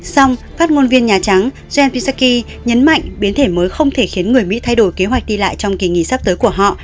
xong phát ngôn viên nhà trắng jen pisaki nhấn mạnh biến thể mới không thể khiến người mỹ thay đổi kế hoạch đi lại trong kỳ nghỉ sắp tới của họ